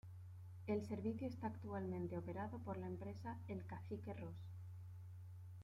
El servicio está actualmente operado por la empresa El Cacique Ros.